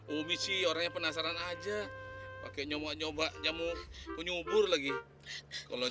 umi sih orangnya penasaran aja pake nyoba nyoba jamu penyumbur lagi kalau